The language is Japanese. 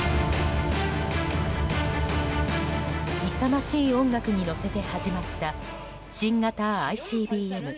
勇ましい音楽に乗せて始まった新型ＩＣＢＭ